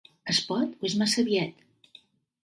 Es pot, o és massa aviat?